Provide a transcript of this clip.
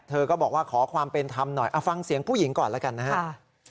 เธอก็บอกว่าขอความเป็นธรรมหน่อยเอาฟังเสียงผู้หญิงก่อนแล้วกันนะครับ